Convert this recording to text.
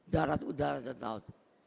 darat udara dan laut